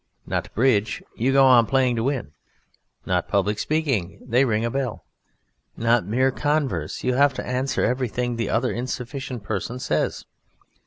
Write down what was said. Not bridge you go on playing to win. Not public speaking they ring a bell. Not mere converse you have to answer everything the other insufficient person says.